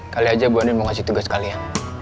kali aja bu andin mau ngasih tugas kali ya